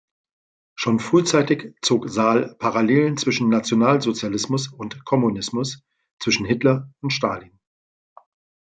Schon frühzeitig zog Sahl Parallelen zwischen Nationalsozialismus und Kommunismus, zwischen Hitler und Stalin.